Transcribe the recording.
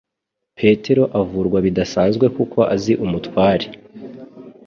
Petero avurwa bidasanzwe kuko azi umutware